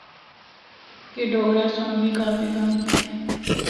کہ ڈوگرہ سنڑ بھی کافی کم کیتے۔